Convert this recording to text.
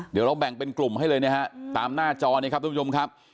เดี๋ยวเราแบ่งเป็นกลุ่มให้เลยนะฮะตามหน้าจอเนี่ยครับทุกผู้ชมครับ